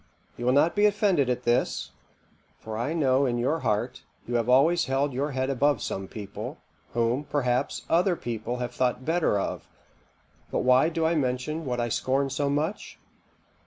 You will not be offended at this; for I know in your heart, you have always held your head above some people, whom, perhaps, other people have thought better of; but why do I mention what I scorn so much?